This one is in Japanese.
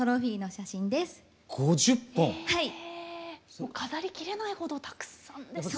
もう飾りきれないほどたくさんですね。